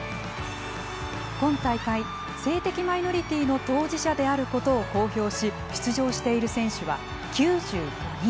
今大会、性的マイノリティーの当事者であることを公表し出場している選手は９５人。